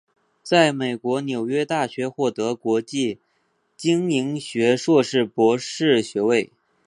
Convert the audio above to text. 在美国纽约大学获得国际经营学硕士博士学位。